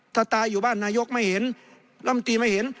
ถ้าตายอยู่บ้านนายกไม่เห็นลำตีไม่เห็น